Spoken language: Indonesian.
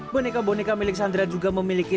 boneka boneka milik sandra juga memiliki